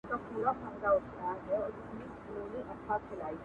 د مسجدي او د اکبر مېنه ده-